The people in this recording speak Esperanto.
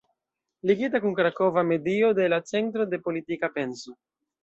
Ligita kun krakova medio de la Centro de Politika Penso.